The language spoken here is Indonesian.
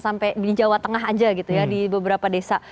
sampai di jawa tengah aja gitu ya di beberapa desa